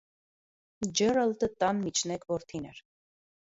Ջերալդը տան միջնեկ որդին էր։